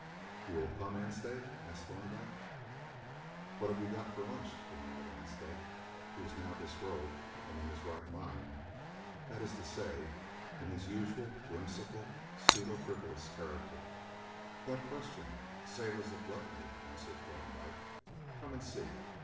"You will come, Anstey?" asked Thorndyke. "What have you got for lunch?" demanded Anstey, who was now disrobed and in his right mind that is to say, in his usual whimsical, pseudo frivolous character. "That question savours of gluttony," answered Thorndyke. "Come and see."